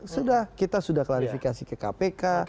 sudah kita sudah klarifikasi ke kpk